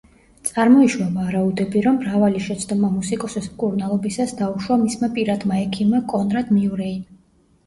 წარმოიშვა ვარაუდები, რომ მრავალი შეცდომა მუსიკოსის მკურნალობისას დაუშვა მისმა პირადმა ექიმმა, კონრად მიურეიმ.